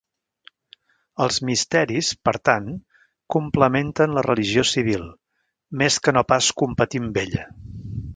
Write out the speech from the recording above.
Els misteris, per tant, complementen la religió civil, més que no pas competir amb ella.